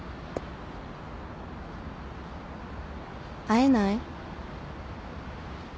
「会えない？」